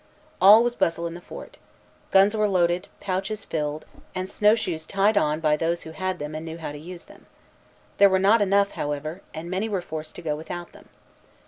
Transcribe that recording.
All was bustle in the fort. Guns were loaded, pouches filled, and snow shoes tied on by those who had them and knew how to use them. There were not enough, however, and many were forced to go without them.